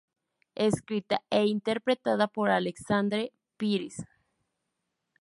Escrita e interpretada por Alexandre Pires.